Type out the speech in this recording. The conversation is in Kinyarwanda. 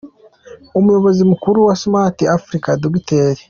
Umuyobozi mukuru wa Smart Africa, Dr.